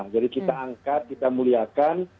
jadi kita angkat kita muliakan